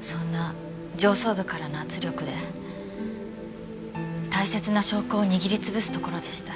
そんな上層部からの圧力で大切な証拠を握り潰すところでした。